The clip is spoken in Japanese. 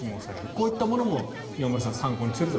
こういったものも饒村さん、参考にされると。